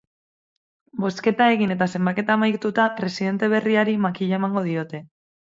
Bozketa egin eta zenbaketa amaituta presidente berriari makila emango diote.